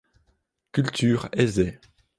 Culture aisée.